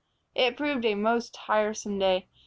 It proved a most tiresome day.